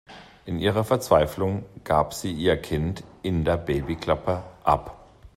In ihrer Verzweiflung gab sie ihr Kind in der Babyklappe ab.